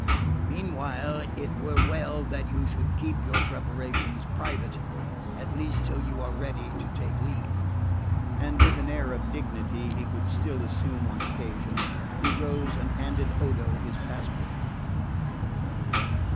Meanwhile it were well that you should keep your preparations private, at least till you are ready to take leave." And with the air of dignity he could still assume on occasion, he rose and handed Odo his passport.